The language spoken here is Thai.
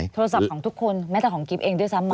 โทรศัพท์ของทุกคนแม้แต่ของกิ๊บเองด้วยซ้ำ